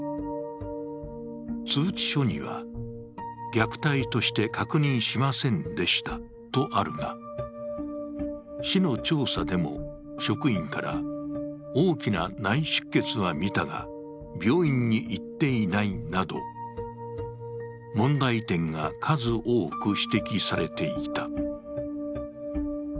通知書には、虐待として確認しませんでしたとあるが、市の調査でも職員から大きな内出血は見たが、病院に行っていないなど問題点が数多く指摘されていた。